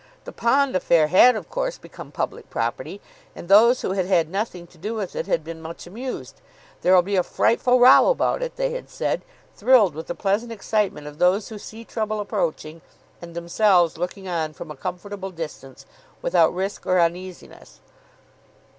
The pond affair had, of course, become public property; and those who had had nothing to do with it had been much amused. "There'll be a frightful row about it," they had said, thrilled with the pleasant excitement of those who see trouble approaching and themselves looking on from a comfortable distance without risk or uneasiness.